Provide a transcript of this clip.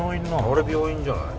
あれ病院じゃない？